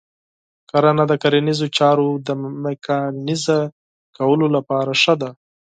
کرنه د کرنیزو چارو د میکانیزه کولو لپاره مهمه ده.